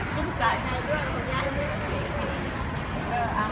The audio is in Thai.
หลักหรือเปล่า